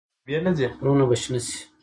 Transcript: غرونه به شنه شي.